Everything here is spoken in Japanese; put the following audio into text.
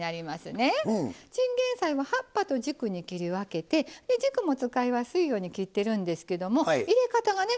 チンゲン菜は葉っぱと軸に切り分けて軸も使いやすいように切ってるんですけども入れ方がね